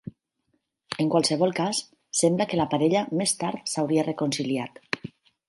En qualsevol cas, sembla que la parella més tard s'hauria reconciliat.